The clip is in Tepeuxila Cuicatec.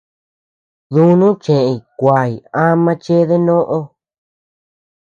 Dúnu cheʼeñ nguay ama chéde nóʼö.